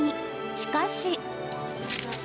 しかし。